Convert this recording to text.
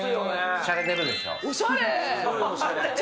しゃれてるでしょ？